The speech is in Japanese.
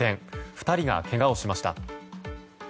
２人がけがをしました。